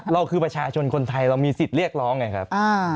เราคือประชาชนคนไทยเรามีสิทธิ์เรียกร้องไงครับ